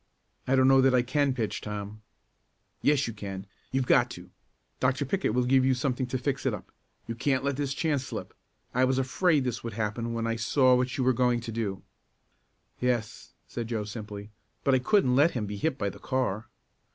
"I don't know that I can pitch, Tom." "Yes you can you've got to. Dr. Pickett will give you something to fix it up. You can't let this chance slip. I was afraid this would happen when I saw what you were going to do." "Yes," said Joe simply, "but I couldn't let him be hit by the car."